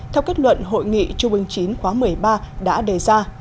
theo kết luận hội nghị trung ương chín khóa một mươi ba đã đề ra